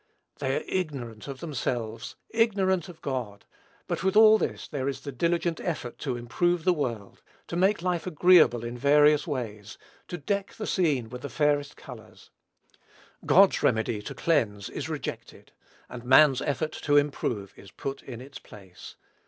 They are ignorant of themselves, ignorant of God; but with all this there is the diligent effort to improve the world; to make life agreeable in various ways; to deck the scene with the fairest colors. God's remedy to cleanse is rejected, and man's effort to improve is put in its place.